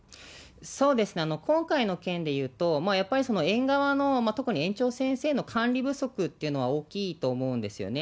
今回の件でいうと、やっぱり園側の、特に園長先生の管理不足っていうのは大きいと思うんですよね。